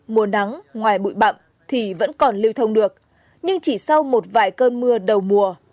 mùa nắng ngoài bụi bậm thì vẫn còn lưu thông được nhưng chỉ sau một vài cơn mưa đầu mùa